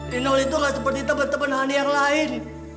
lino itu gak seperti temen temen honey yang lain